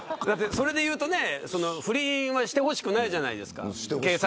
それでいうと不倫はしてほしくないじゃないですか。